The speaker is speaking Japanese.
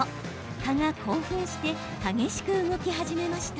蚊が興奮して激しく動き始めました。